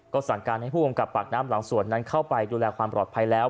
ก็สั่งการให้ผู้กำกับปากน้ำหลังสวนนั้นเข้าไปดูแลความปลอดภัยแล้ว